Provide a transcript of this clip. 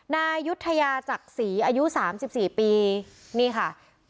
นายยุธยาจักษีอายุ๓๔ปีนี่ค่ะ